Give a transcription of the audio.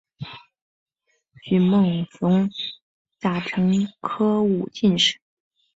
徐梦熊甲辰科武进士。